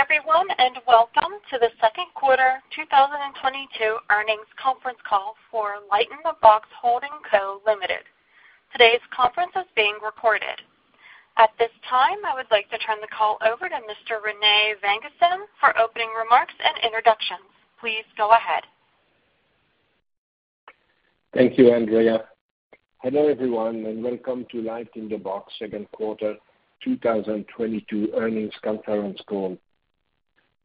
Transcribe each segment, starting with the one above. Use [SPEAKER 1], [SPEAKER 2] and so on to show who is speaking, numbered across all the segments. [SPEAKER 1] Good day everyone, and welcome to the second quarter 2022 earnings conference call for LightInTheBox Holding Co., Ltd. Today's conference is being recorded. At this time, I would like to turn the call over to Mr. Rene Vanguestaine
[SPEAKER 2] Thank you, Andrea. Hello everyone and welcome to LightInTheBox second quarter 2022 earnings conference call.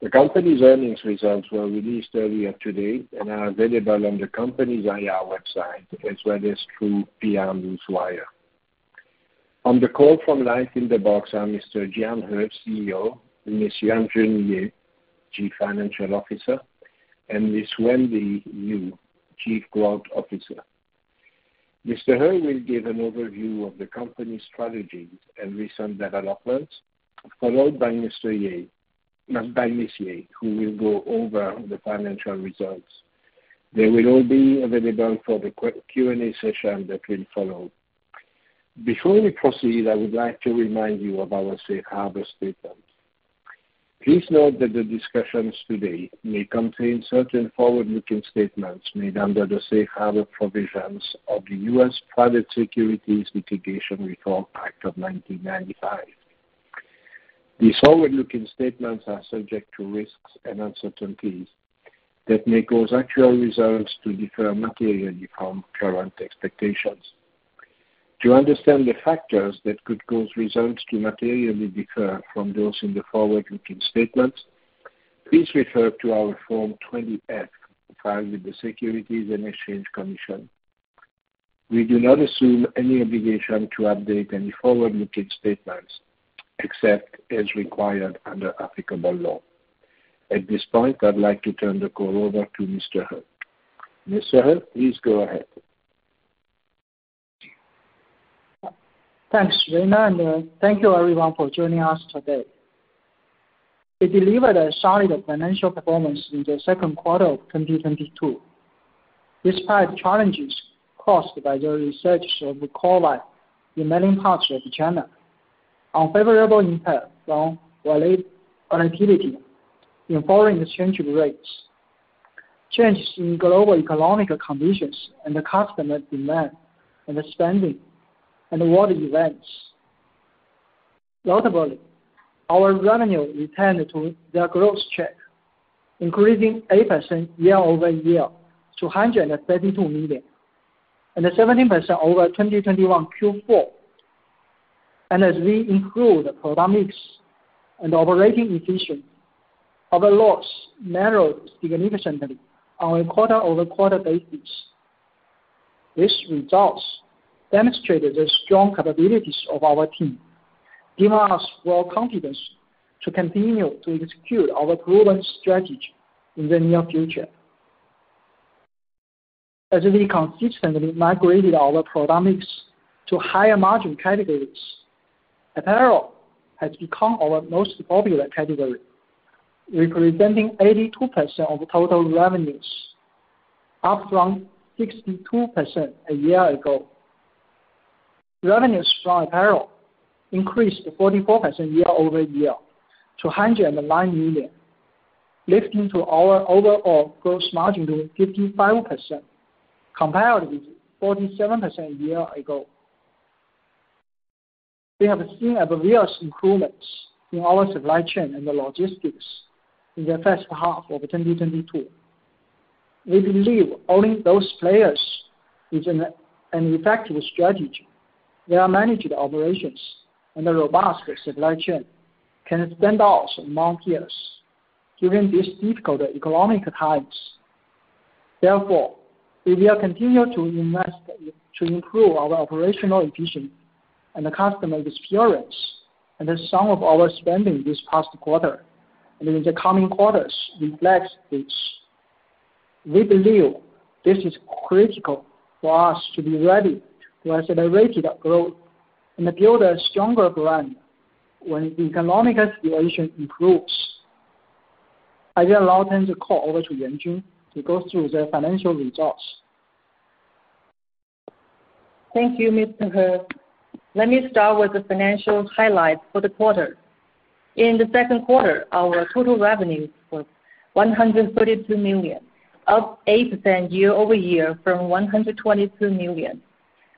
[SPEAKER 2] The company's earnings results were released earlier today and are available on the company's IR website as well as through PR Newswire. On the call from LightInTheBox are Mr. Jian He, CEO, Ms. Yuanjun Ye, Chief Financial Officer, and Ms. Wenyu Liu, Chief Growth Officer. Mr. He will give an overview of the company's strategy and recent developments, followed by Ms. Yuanjun Ye, who will go over the financial results. They will all be available for the Q&A session that will follow. Before we proceed, I would like to remind you of our safe harbor statement. Please note that the discussions today may contain certain forward-looking statements made under the safe harbor provisions of the U.S. Private Securities Litigation Reform Act of 1995. These forward-looking statements are subject to risks and uncertainties that may cause actual results to differ materially from current expectations. To understand the factors that could cause results to materially differ from those in the forward-looking statements, please refer to our Form 20-F, filed with the Securities and Exchange Commission. We do not assume any obligation to update any forward-looking statements except as required under applicable law. At this point, I'd like to turn the call over to Mr. He. Mr. He, please go ahead.
[SPEAKER 3] Thanks, Rene, and thank you everyone for joining us today. We delivered a solid financial performance in the second quarter of 2022, despite challenges caused by the resurgence of COVID in many parts of China, unfavorable impact from volatility in foreign exchange rates, changes in global economic conditions and customer demand and spending and world events. Notably, our revenue returned to their growth track, increasing 8% year-over-year to $132 million and 17% over 2021 Q4. As we improved product mix and operating efficiency, our loss narrowed significantly on a quarter-over-quarter basis. These results demonstrated the strong capabilities of our team, giving us more confidence to continue to execute our proven strategy in the near future. As we consistently migrated our product mix to higher margin categories, apparel has become our most popular category, representing 82% of total revenues, up from 62% a year ago. Revenues from apparel increased 44% year-over-year to $109 million, lifting our overall gross margin to 55%, compared with 47% a year ago. We have seen obvious improvements in our supply chain and the logistics in the first half of 2022. We believe only those players with an effective strategy, well-managed operations and a robust supply chain can stand out among peers during these difficult economic times. Therefore, we will continue to invest to improve our operational efficiency and customer experience, and some of our spending this past quarter and in the coming quarters reflects this. We believe this is critical for us to be ready to accelerate growth and build a stronger brand when the economic situation improves. I will now turn the call over to Yuanjun Ye to go through the financial results.
[SPEAKER 4] Thank you, Mr. He. Let me start with the financial highlights for the quarter. In the second quarter, our total revenues was $132 million, up 8% year-over-year from $122 million.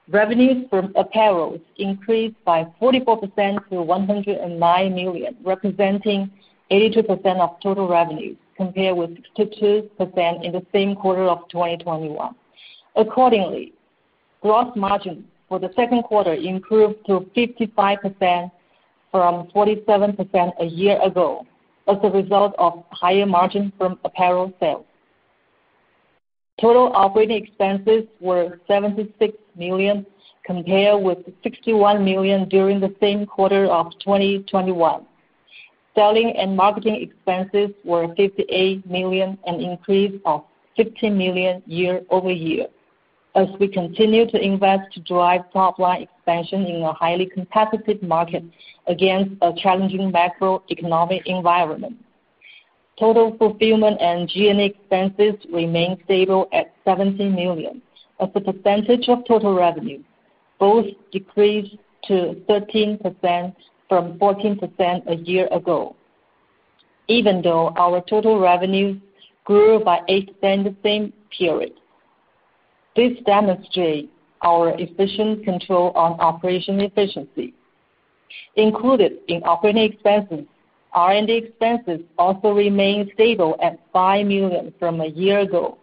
[SPEAKER 4] Revenues from apparel increased by 44% to $109 million, representing 82% of total revenues, compared with 62% in the same quarter of 2021. Accordingly, gross margin for the second quarter improved to 55% from 47% a year ago as a result of higher margins from apparel sales. Total operating expenses were $76 million, compared with $61 million during the same quarter of 2021. Selling and marketing expenses were $58 million, an increase of $15 million year-over-year as we continue to invest to drive top-line expansion in a highly competitive market against a challenging macroeconomic environment. Total fulfillment and G&A expenses remain stable at $17 million. As a percentage of total revenue, both decreased to 13% from 14% a year ago, even though our total revenue grew by 8% the same period. This demonstrates our efficient control on operational efficiency. Included in operating expenses, R&D expenses also remain stable at $5 million from a year ago.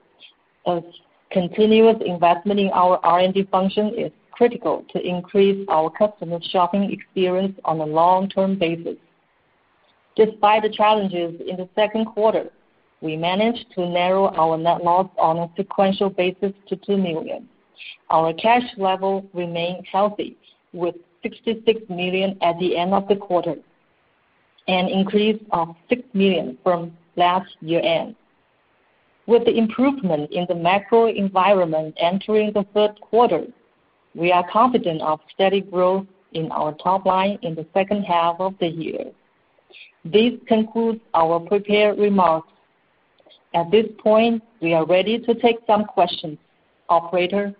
[SPEAKER 4] As continuous investment in our R&D function is critical to increase our customer shopping experience on a long-term basis. Despite the challenges in the second quarter, we managed to narrow our net loss on a sequential basis to $2 million. Our cash level remained healthy with $66 million at the end of the quarter, an increase of $6 million from last year-end. With the improvement in the macro environment entering the third quarter, we are confident of steady growth in our top line in the second half of the year. This concludes our prepared remarks. At this point, we are ready to take some questions. Operator?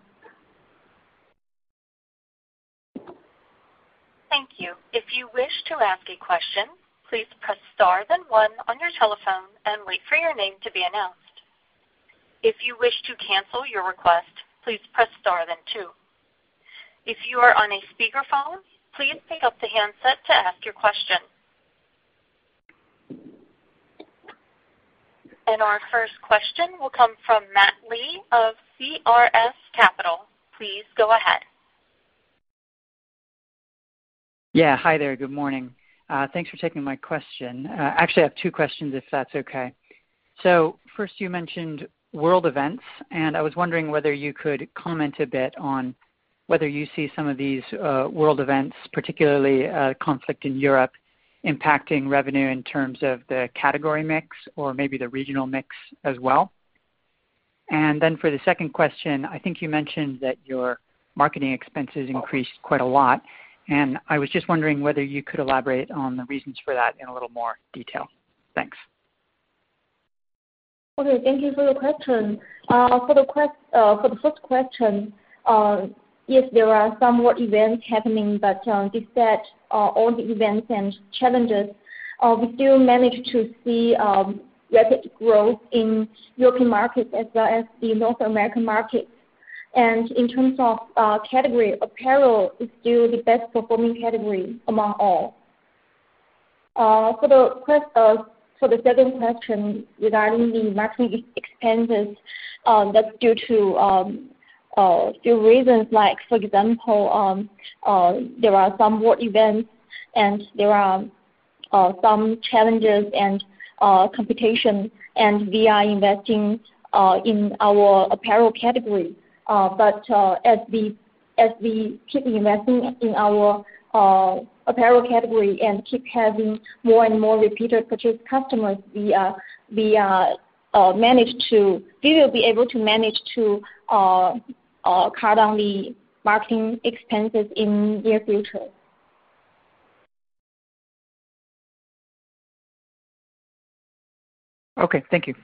[SPEAKER 1] Thank you. If you wish to ask a question, please press star then one on your telephone and wait for your name to be announced. If you wish to cancel your request, please press star then two. If you are on a speakerphone, please pick up the handset to ask your question. Our first question will come from Matt Lee of CJS Securities.
[SPEAKER 5] Yeah. Hi there. Good morning. Thanks for taking my question. Actually, I have two questions if that's okay. First, you mentioned world events, and I was wondering whether you could comment a bit on whether you see some of these, world events, particularly, conflict in Europe, impacting revenue in terms of the category mix or maybe the regional mix as well. Then for the second question, I think you mentioned that your marketing expenses increased quite a lot, and I was just wondering whether you could elaborate on the reasons for that in a little more detail. Thanks.
[SPEAKER 4] Okay. Thank you for the question. For the first question, yes, there are some world events happening, but, despite, all the events and challenges, we still managed to see rapid growth in European markets as well as the North American markets. In terms of category, apparel is still the best-performing category among all. For the second question regarding the marketing expenses, that's due to few reasons. Like, for example, there are some world events, and there are some challenges and competition, and we are investing in our apparel category. As we keep investing in our apparel category and keep having more and more repeated purchase customers, we will be able to manage to cut down the marketing expenses in near uncertain. Thank you.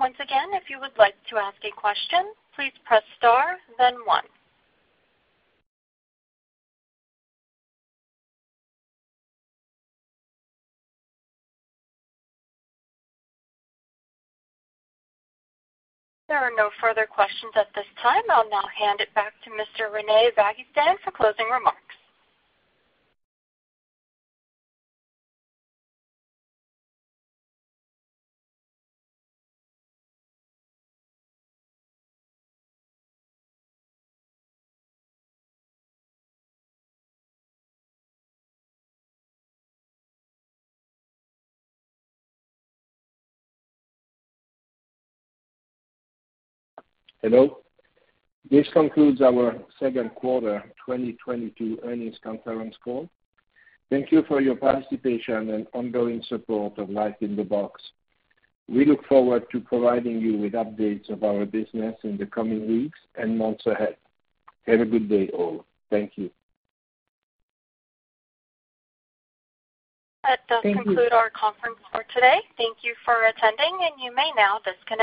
[SPEAKER 4] Rene Vancorenstraeten
[SPEAKER 2] Hello. This concludes our second quarter 2022 earnings conference call. Thank you for your participation and ongoing support of LightInTheBox. We look forward to providing you with updates of our business in the coming weeks and months ahead. Have a good day all. Thank you.
[SPEAKER 1] That does conclude our conference call today. Thank you for attending, and you may now disconnect.